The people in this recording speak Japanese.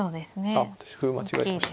あっ私歩間違えてました。